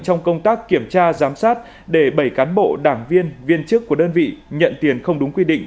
trong công tác kiểm tra giám sát để bảy cán bộ đảng viên viên chức của đơn vị nhận tiền không đúng quy định